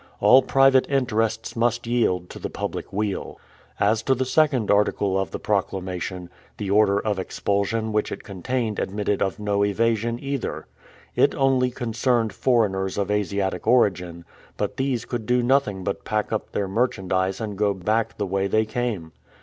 All private interests must yield to the public weal. As to the second article of the proclamation, the order of expulsion which it contained admitted of no evasion either. It only concerned foreigners of Asiatic origin, but these could do nothing but pack up their merchandise and go back the way they came.